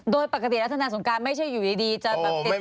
โดยปกติลักษณะสงการไม่ใช่อยู่ดีจะแบบ